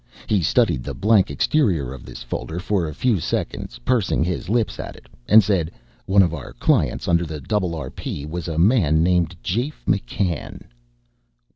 He studied the blank exterior of this folder for a few seconds, pursing his lips at it, and said, "One of our clients under the Double R P was a man named Jafe McCann."